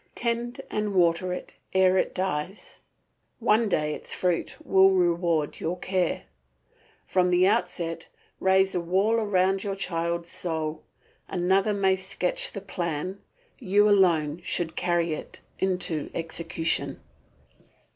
Tend and water it ere it dies. One day its fruit will reward your care. From the outset raise a wall round your child's soul; another may sketch the plan, you alone should carry it into execution.